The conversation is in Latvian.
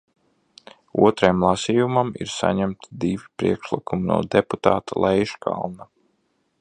Otrajam lasījumam ir saņemti divi priekšlikumi no deputāta Leiškalna.